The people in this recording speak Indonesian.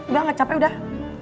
udah gak capek udah